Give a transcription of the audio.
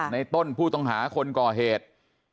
ในต้นผู้ต้องหาคนก่อเหตุ